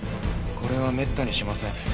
これはめったにしません。